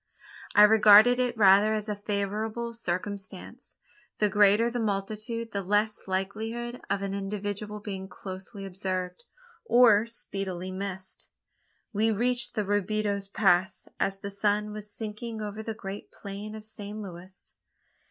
I regarded it rather as a favourable circumstance. The greater the multitude, the less likelihood of an individual being closely observed, or speedily missed. We reached Robideau's Pass as the sun was sinking over the great plain of San Luis.